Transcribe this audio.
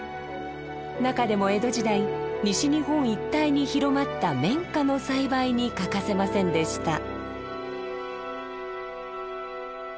中でも江戸時代西日本一帯に広まった綿花の栽培に欠かせませんでした。